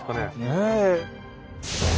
ねえ？